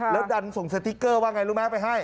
แล้วดันส่งสติ๊กเกอร์ว่าไงรู้ไหมไปให้